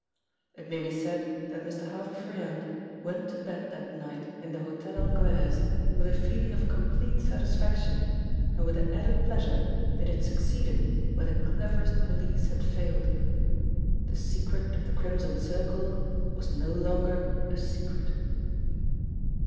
It may be said that Mr. Harvey Froyant went to bed that night in the Hotel Anglaise with a feeling of complete satisfaction, and with the added pleasure that he had succeeded where the cleverest police had failed. The secret of the Crimson Circle was no longer a secret.